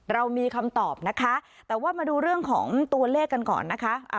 เรามีคำตอบนะคะแต่ว่ามาดูเรื่องของตัวเลขกันก่อนนะคะ